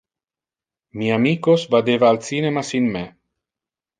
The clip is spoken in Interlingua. Mi amicos vadeva al cinema sin me.